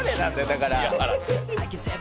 だから。